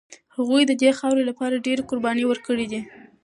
هغوی د دې خاورې لپاره ډېرې قربانۍ ورکړي دي.